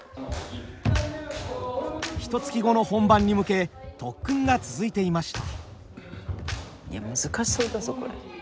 ひとつき後の本番に向け特訓が続いていました。